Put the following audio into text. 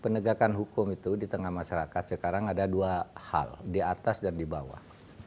penegakan hukum itu di tengah masyarakat sekarang ada dua hal di atas dan di bawah